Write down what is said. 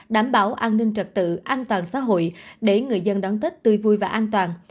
đảm bảo an ninh trật tự an toàn xã hội để người dân đón tết tươi vui và an toàn